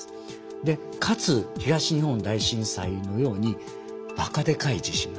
でかつ東日本大震災のようにばかでかい地震なんです。